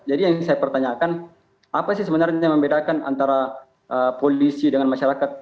jadi yang saya pertanyakan apa sih sebenarnya yang membedakan antara polisi dengan masyarakat